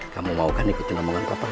kamu mau kan ikutin omongan papa